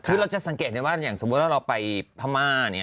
จนจะสังเกตได้ว่าอย่างสมมุติเราไปพม่า